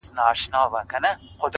ته يې بد ايسې’